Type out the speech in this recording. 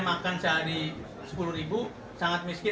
dan kerasa saja lagi horn track